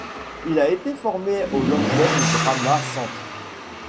Il a été formé au London Drama Centre.